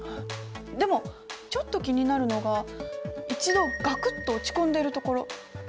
でもちょっと気になるのが一度ガクッと落ち込んでるところ。